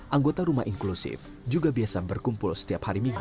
anggota rumah inklusif juga biasa berkumpul setiap hari minggu